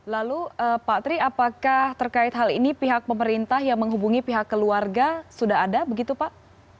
lalu pak tri apakah terkait hal ini pihak pemerintah yang menghubungi pihak keluarga sudah ada begitu pak